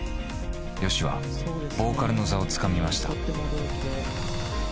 ＹＯＳＨＩはボーカルの座をつかみました。